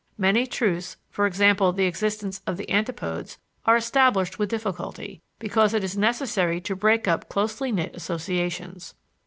Many truths (for example, the existence of the antipodes) are established with difficulty, because it is necessary to break up closely knit associations.